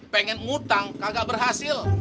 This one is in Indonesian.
pengen ngutang kagak berhasil